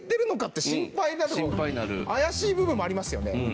怪しい部分もありますよね。